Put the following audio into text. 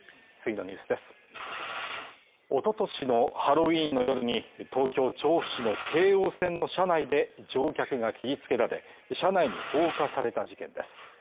一昨年のハロウィンの夜に東京・調布市の京王線の車内で乗客が切り付けられ車内に放火された事件です。